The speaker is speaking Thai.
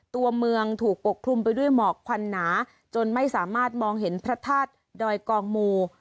ตัวเมืองถูกปกคลุมไปด้วยหมอกควันหนาจนไม่สามารถมองเห็นพระธาตุดอยกองมู